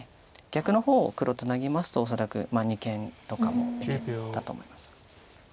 逆の方を黒ツナぎますと恐らく二間とかも打てたと思います。